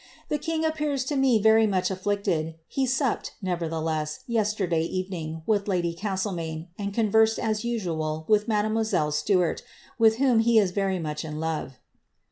The king appears to me very much afflicted ; he supped, nevertheless, yesterday evening, with lady Castlemaine, and con versed as usual with mademoiselle Stuart, with whom he is very much in love.''